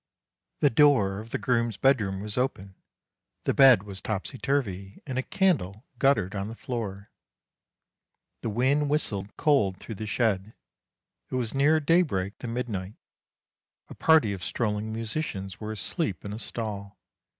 The door of the groom's bedroom was open, the bed was topsy turvy, and a candle guttered on the floor. The wind whistled cold through the shed, it was nearer daybreak than midnight. A party of strolling musicians were asleep in a stall.